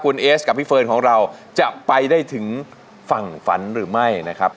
คุณเอสกับพี่เฟิร์นของเราจะไปได้ถึงฝั่งฝันหรือไม่นะครับ